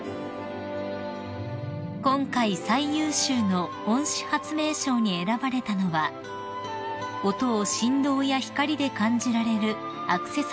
［今回最優秀の恩賜発明賞に選ばれたのは音を振動や光で感じられるアクセサリー型装置］